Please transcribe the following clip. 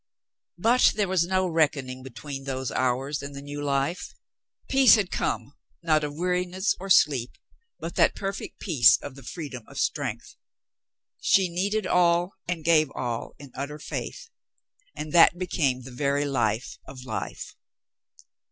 ... But there was no reckoning between those hours and the new life. Peace had come, not of weariness or sleep, but that perfect peace of the freedom of strength. She needed all and gave all in utter faith, and that became the very life of life.